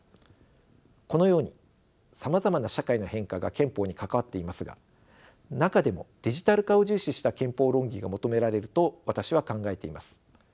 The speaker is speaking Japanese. このようにさまざまな社会の変化が憲法に関わっていますが中でもデジタル化を重視した憲法論議が求められると私は考えています。